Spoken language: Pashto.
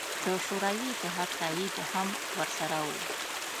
د شوروي اتحاد تایید هم ورسره و.